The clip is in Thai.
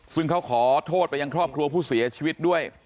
ซึ่งเขาขอโทษไปยังครอบครัวผู้เสียชีวิตด้วย